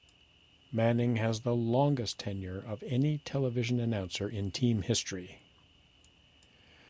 Manning has the longest tenure of any television announcer in team history.